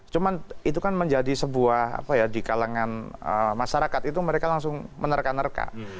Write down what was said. cuma itu kan menjadi sebuah apa ya di kalangan masyarakat itu mereka langsung menerka nerka